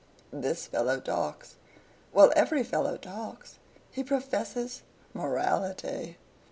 This fellow talks. Well; every fellow talks. He professes morality.